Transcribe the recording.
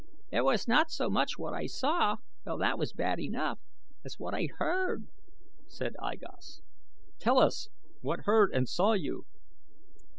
"It was not so much what I saw, though that was bad enough, as what I heard," said I Gos. "Tell us! What heard and saw you?"